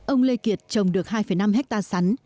ông lê kiệt trồng được hai năm hectare sắn